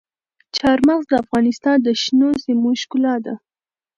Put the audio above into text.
چار مغز د افغانستان د شنو سیمو ښکلا ده.